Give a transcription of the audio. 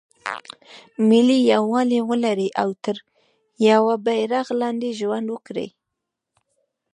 ملي یووالی ولري او تر یوه بیرغ لاندې ژوند وکړي.